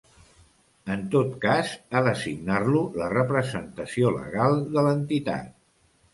En tot cas, ha de signar-lo la representació legal de l'entitat.